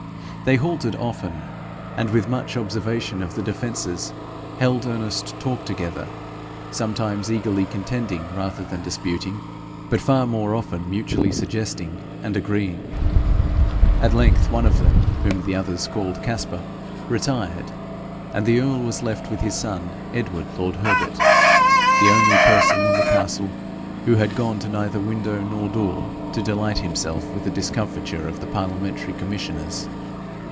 They halted often, and, with much observation of the defences, held earnest talk together, sometimes eagerly contending rather than disputing, but far more often mutually suggesting and agreeing. At length one of them, whom the others called Caspar, retired, and the earl was left with his son Edward, lord Herbert, the only person in the castle who had gone to neither window nor door to delight himself with the discomfiture of the parliamentary commissioners.